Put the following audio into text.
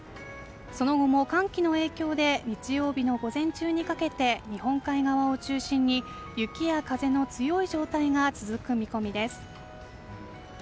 その後も寒気の影響で日曜日の午前中にかけて日本海側を中心に雪や風の強い状態が続く見込みです。